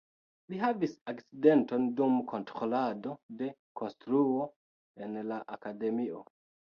Li havis akcidenton dum kontrolado de konstruo en la akademio.